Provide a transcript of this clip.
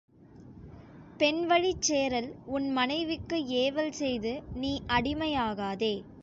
பெண்வழிச் சேறல் உன் மனைவிக்கு ஏவல் செய்து நீ அடிமையாகாதே.